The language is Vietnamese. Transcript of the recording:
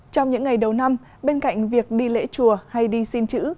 trong những ngày đầu năm bên cạnh việc đi lễ chùa hay đi xin chữ